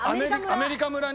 アメリカ村に。